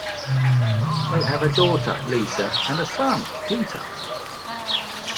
They have a daughter, Lisa, and a son, Peter.